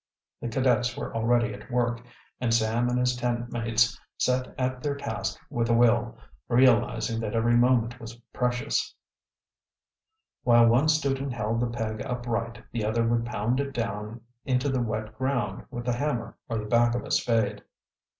The cadets were already at work, and Sam and his tent mates set at their task with a will, realizing that every moment was precious. While one student held the peg upright the other would pound it down into the wet ground with a hammer or the back of a spade.